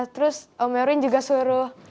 terus om merin juga suruh